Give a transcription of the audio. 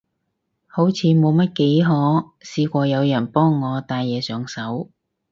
好似冇乜幾可試過有人幫我戴嘢上手